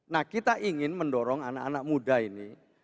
nah kita ingin mendorong anak anak muda ini